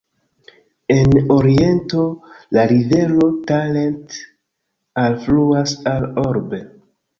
En oriento la rivero Talent alfluas al Orbe.